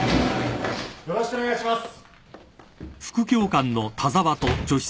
よろしくお願いします。